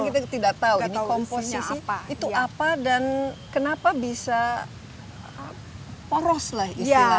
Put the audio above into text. kita nggak tahu komposisi apa itu apa dan kenapa bisa poros lah istilahnya